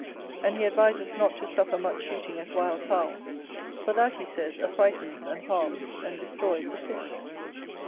And he advises not to suffer much shooting at wild fowl; for that, he says, affrightens, and harms, and destroys the fish.